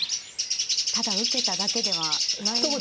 ただ受けただけではないんですね。